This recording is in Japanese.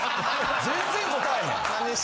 全然答えへん。